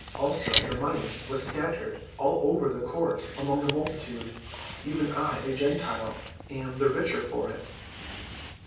Also, the money was scattered all over the court among the multitude. Even I, a Gentile, am the richer for it."